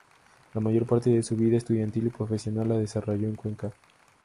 La mayor parte de su vida estudiantil y profesional la desarrolló en Cuenca.